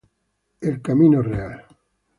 El Camino Real